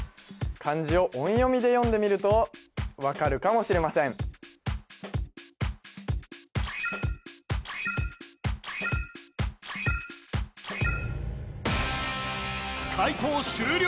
漢字を音読みで読んでみると分かるかもしれません解答終了